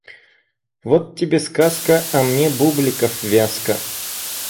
Вот тебе сказка, а мне бубликов вязка.